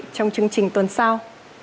trong chương trình tuần sau